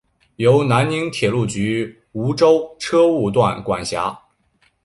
由南宁铁路局梧州车务段管辖。